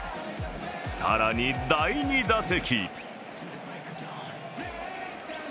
更に、第２打席。